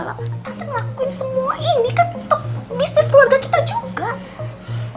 tapi ngelakuin semua ini kan untuk bisnis keluarga kita juga